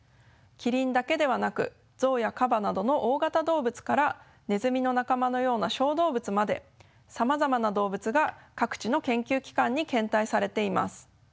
キリンだけではなくゾウやカバなどの大型動物からネズミの仲間のような小動物までさまざまな動物が各地の研究機関に献体されています。